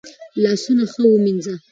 لاسونه ښه ومینځه.